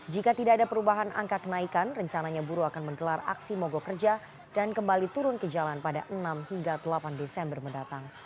jika tidak ada perubahan angka kenaikan rencananya buruh akan menggelar aksi mogok kerja dan kembali turun ke jalan pada enam hingga delapan desember mendatang